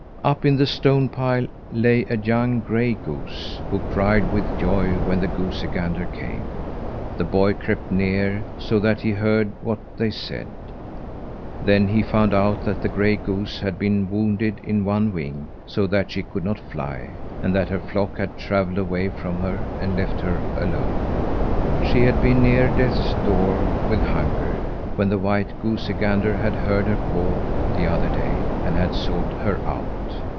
Up in the stone pile lay a young gray goose, who cried with joy when the goosey gander came. The boy crept near, so that he heard what they said; then he found out that the gray goose had been wounded in one wing, so that she could not fly, and that her flock had travelled away from her, and left her alone. She had been near death's door with hunger, when the white goosey gander had heard her call, the other day, and had sought her out.